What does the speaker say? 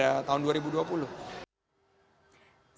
saya akan mencari pertanyaan yang lebih penting